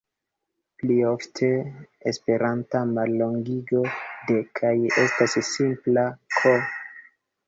Pli ofta esperanta mallongigo de "kaj" estas simpla "k".